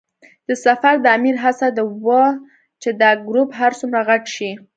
د سفر د امیر هڅه دا وه چې دا ګروپ هر څومره غټ شي.